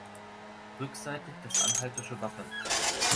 Rückseitig das anhaltische Wappen.